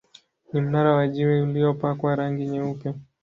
Ni mnara wa jiwe uliopakwa rangi nyeupe.